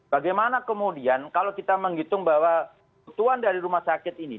bagaimana kemudian kalau kita menghitung bahwa kebutuhan dari rumah sakit ini